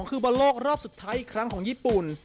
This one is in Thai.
คือบอลโลกรอบสุดท้ายอีกครั้งของญี่ปุ่น